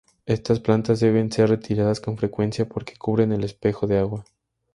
Estas plantas deben ser retiradas con frecuencia porque cubren el espejo de agua.